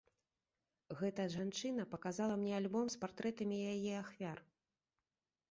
Гэта жанчына паказала мне альбом з партрэтамі яе ахвяр.